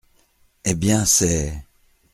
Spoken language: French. Eh bien, c’est…